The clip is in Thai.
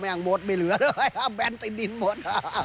มันยังหมดไม่เหลือเลยแบนไปดินหมด